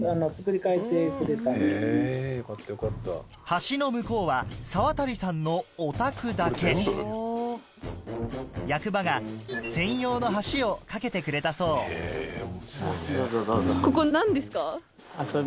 橋の向こうは澤渡さんのお宅だけ役場が専用の橋を架けてくれたそうどうぞどうぞ。